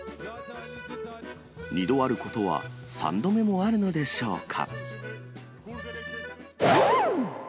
２度あることは３度目もあるのでしょうか。